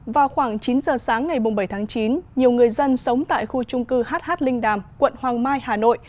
vào khoảng chín giờ sáng ngày bảy tháng chín nhiều người dân sống tại khu trung cư hh linh đàm quận hoàng mai hà nội